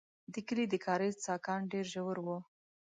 د کلي د کاریز څاګان ډېر ژور وو.